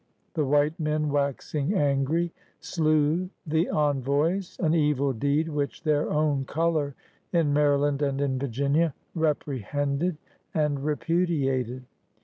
The white men, waxing angry, slew the envoys — an evil deed which their own color in Maryland and in Virginia reprehended and repudiated.